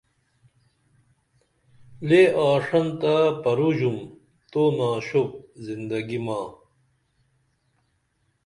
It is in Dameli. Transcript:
لے آݜنتہ پروژُم تو ناشوپ زندگی ما